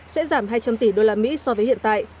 sẽ giảm hai trăm linh tỷ đô la mỹ so với hiện tại